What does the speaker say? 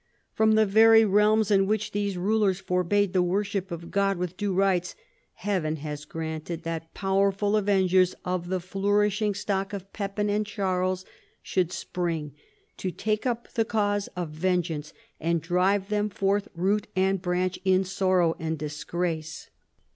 From the very realms in which these rulers forbade the worship of God with due rights, Heaven has granted that powerful avengers of the flourishing stock of Pepin and Charles should spring, to take up the cause of vengeance and drive them forth root and branch in sorrow and disgrace.